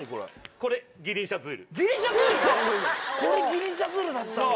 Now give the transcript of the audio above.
これギリンシャズールだったんだ。